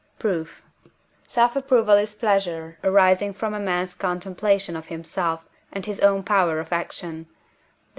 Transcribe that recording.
Proof. Self approval is pleasure arising from a man's contemplation of himself and his own power of action (Def.